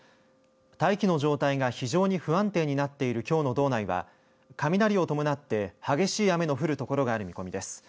大気の状態が非常に不安定になっているきょうの道内は雷を伴って激しい雨の降る所がある見込みです。